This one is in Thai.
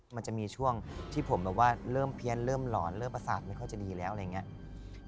มันจะมีช่วงที่ผมแบบว่าเริ่มเพี้ยนเริ่มหลอนเริ่มประสาทไม่ค่อยจะดีแล้วอะไรอย่างนี้